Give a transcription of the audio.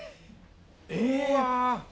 うわ。